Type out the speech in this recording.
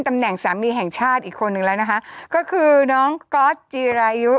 ตำแหน่งสามีแห่งชาติอีกคนนึงแล้วนะคะก็คือน้องก๊อตจีรายุ